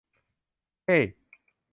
เฮ้